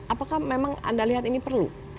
apakah memang anda lihat ini perlu